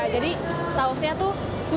jadi sausnya tuh susu